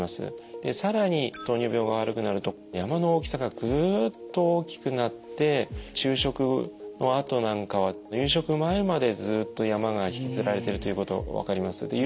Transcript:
で更に糖尿病が悪くなると山の大きさがグッと大きくなって昼食のあとなんかは夕食前までずっと山が引きずられてるということ分かります。